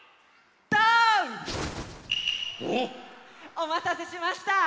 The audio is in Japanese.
おまたせしました！